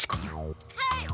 はい！